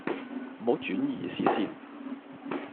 唔好轉移視線